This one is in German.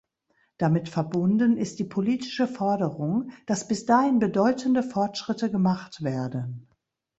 Damit verbunden ist die politische Forderung, dass bis dahin bedeutende Fortschritte gemacht werden.